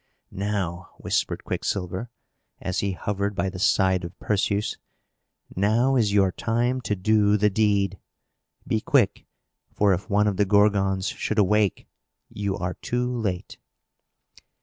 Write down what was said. "Now," whispered Quicksilver, as he hovered by the side of Perseus "now is your time to do the deed! Be quick; for, if one of the Gorgons should awake, you are too late!"